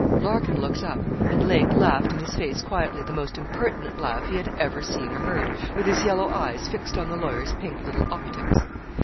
Larkin looked up, and Lake laughed in his face quietly the most impertinent laugh he had ever seen or heard, with his yellow eyes fixed on the lawyer's pink little optics.